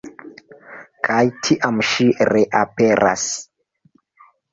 Kaj tiam ŝi reaperas.